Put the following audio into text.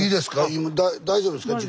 今大丈夫ですか？